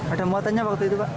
ada muatannya waktu itu pak